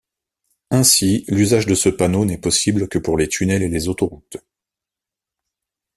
Ainsi l'usage de ce panneau n'est possible que pour les tunnels et les autoroutes.